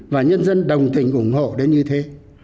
và nhân dân đồng tình ủng hộ đến như thế